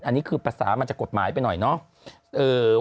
อันนี้คือภาษามันจากกฎหมายไปหน่อยเนาะ